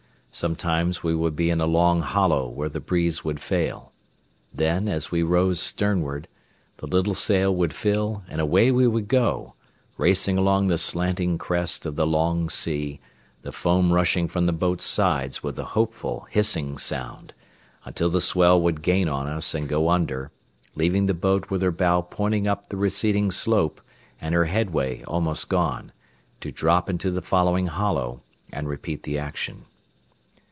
Sometimes we would be in a long hollow where the breeze would fail. Then, as we rose sternwrard, the little sail would fill, and away we would go, racing along the slanting crest of the long sea, the foam rushing from the boat's sides with a hopeful, hissing sound, until the swell would gain on us and go under, leaving the boat with her bow pointing up the receding slope and her headway almost gone, to drop into the following hollow and repeat the action.